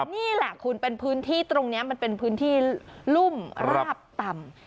นี่แหละคุณเป็นพื้นที่ตรงนี้มันเป็นพื้นที่รุ่มราบต่ำ